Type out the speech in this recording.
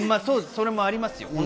それもありますよ。